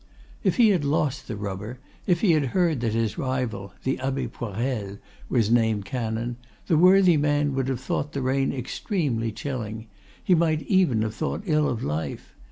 If he had lost the rubber, if he had heard that his rival, the Abbe Poirel, was named canon, the worthy man would have thought the rain extremely chilling; he might even have thought ill of life.